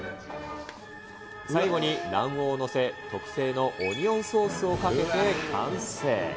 最後に卵黄を載せ、特製のオニオンソースをかけて完成。